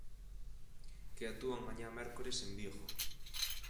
Que actúan mañá mércores en Vigo.